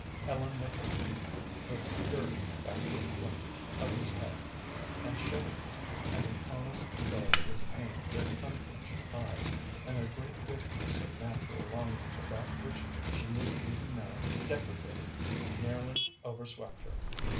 Ellen looked at him, the sturdy backward fling of his head and shoulders, and the honest regard of his pained yet unflinching eyes, and a great weakness of natural longing for that which she was even now deprecating nearly overswept her.